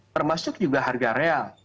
termasuk juga harga real